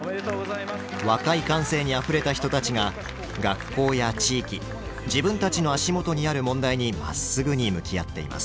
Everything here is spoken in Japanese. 若い感性にあふれた人たちが学校や地域自分たちの足元にある問題にまっすぐに向き合っています。